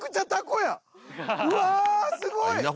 うわすごい！